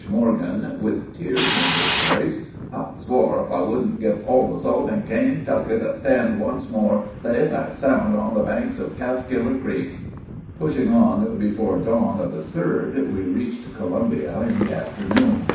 Morgan, with tears in his voice: "I sw'ar if I wouldn't give all the salt in Kaintucky to stand once more safe and sound on the banks of Calfkiller Creek." Pushing on before dawn of the 3d, we reached Columbia in the afternoon.